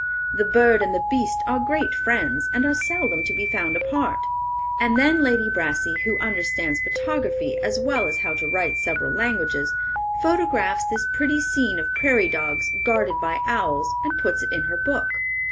The bird and the beast are great friends, and are seldom to be found apart." And then Lady Brassey, who understands photography as well as how to write several languages, photographs this pretty scene of prairie dogs guarded by owls, and puts it in her book.